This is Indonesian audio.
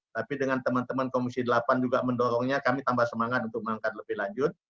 tapi dengan teman teman komisi delapan juga mendorongnya kami tambah semangat untuk mengangkat lebih lanjut